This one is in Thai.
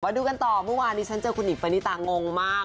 วันนี้ดูคุณคุณต่อมือว่านี้แฟนหนิตาชัดหว่างงมาก